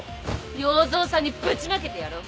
要造さんにぶちまけてやろう。